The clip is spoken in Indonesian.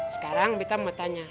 sekarang betta mau tanya